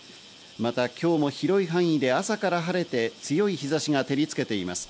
また今日も広い範囲で朝から晴れて強い日差しが照りつけています。